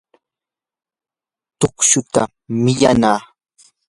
tuqushta millanaa.